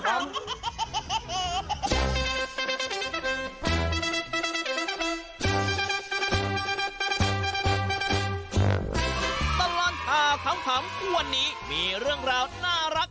ตลอดข่าวขำวันนี้มีเรื่องราวน่ารัก